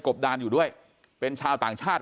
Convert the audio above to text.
กลุ่มตัวเชียงใหม่